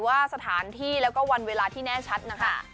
ว่าสถานที่แล้วก็วันเวลาที่แน่ชัดนะคะ